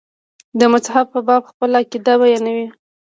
د مذهب په باب خپل عقاید بیانوي.